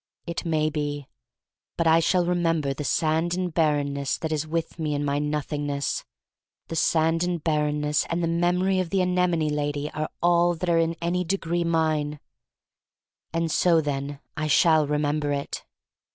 It may be. But I shall remember the sand and barrenness that is with me in my Noth ingness. The sand and barrenness and the memory of the anemone lady are all that are in any degree mine. And so then I shall remember it.